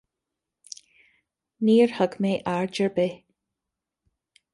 Níor thug mé aird ar bith.